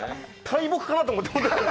大木かなと思って。